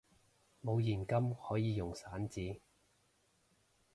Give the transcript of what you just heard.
冇現金可以用散紙！